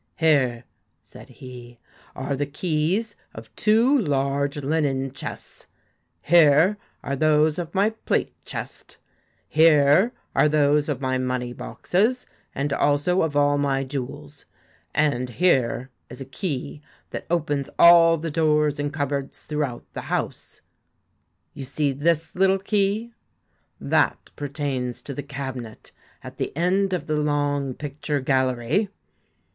1 Here,' said he, ' are the keys of two large linen chests ; here are those of my plate chest ; here are those of my money boxes, and also of all my jewels ; and here is a key that opens all the doors and cupboards throughout the house. You see this little key ? that pertains to the cabinet at the end of the long picture gallery.